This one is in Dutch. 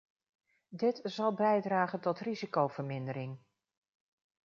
Dit zal bijdragen tot risicovermindering.